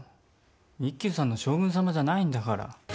「一休さん」の将軍様じゃないんだから。